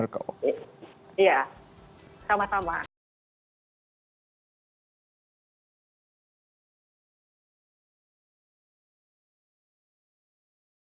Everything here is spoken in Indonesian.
terima kasih sudah bercerita banyak